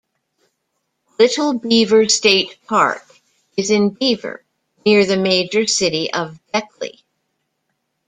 Little Beaver State Park is in Beaver, near the major city of Beckley.